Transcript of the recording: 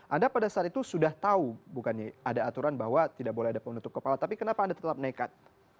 anda pada saat itu sudah tahu bukannya ada aturan bahwa tidak boleh ada penutup kepala tapi kenapa anda tetap nekat